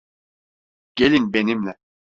Gelin benimle.